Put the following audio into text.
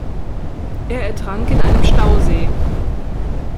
Er ertrank in einem Stausee.